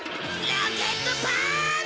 ロケットパーンチ！